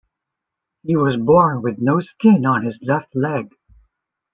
He was born with no skin on his left leg.